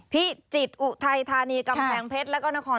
พิจิตรอุทัยธานีกำแพงเพชรแล้วก็นคร